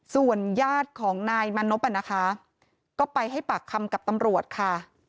ส่วนญาติของนายมานพนะคะก็ไปให้ปากคำกับตำรวจค่ะ